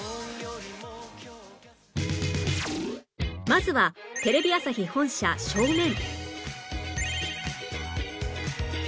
まずはテレビ朝日本社正面